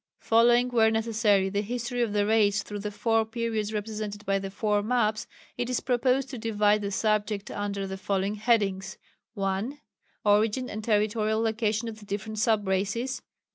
Following where necessary the history of the Race through the four periods represented by the four maps, it is proposed to divide the subject under the following headings: 1. Origin and territorial location of the different sub races.